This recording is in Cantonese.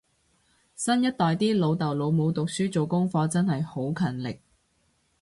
新一代啲老豆老母讀書做功課真係好勤力